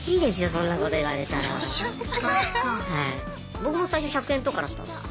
僕も最初１００円とかだったんですよ。